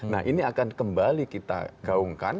nah ini akan kembali kita gaungkan